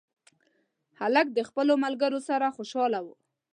هلک د خپلو ملګرو سره خوشحاله و.